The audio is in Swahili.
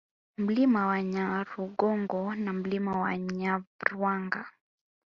Milima ya Nyarugongo na Mlima wa Nyavarwanga